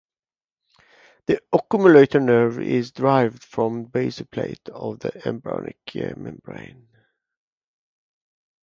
The oculomotor nerve is derived from the basal plate of the embryonic midbrain.